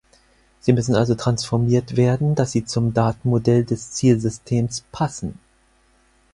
Sie müssen also transformiert werden, dass sie zum Datenmodell des Zielsystems „passen“.